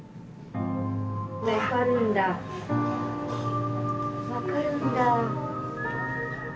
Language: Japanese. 分かるんだ分かるんだ。